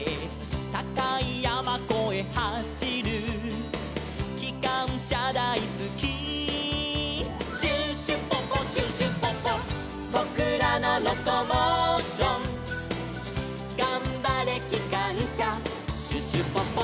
「たかいやまこえはしる」「きかんしゃだいすき」「シュシュポポシュシュポポ」「ぼくらのロコモーション」「がんばれきかんしゃシュシュポポ」